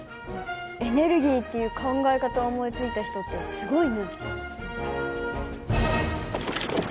エネルギーっていう考え方を思いついた人ってすごいね。